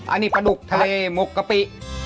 อันนี้ปลาดุกทะเลหมกกะปิ